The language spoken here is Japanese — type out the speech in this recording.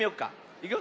いくよ。